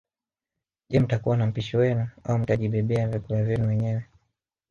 Je mtakuwa na mpishi wenu au mtajibebea vyakula vyenu wenyewe